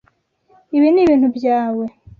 Ibi ni ibintu byawe.